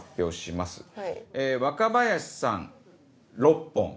若林さん６本。